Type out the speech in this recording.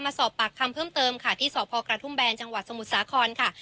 สอบปากคำเพิ่มเติมค่ะที่สพกระทุ่มแบนจังหวัดสมุทรสาครค่ะ